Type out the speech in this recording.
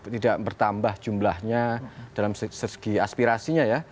tidak bertambah jumlahnya dalam segi aspirasinya ya